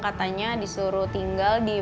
katanya disuruh tinggal di